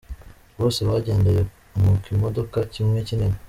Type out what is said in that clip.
Bose bagendeye mu kimodoka kimwe kinini.